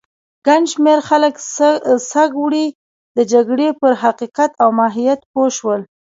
ګڼ شمېر خلک سږ اوړی د جګړې پر حقیقت او ماهیت پوه شول.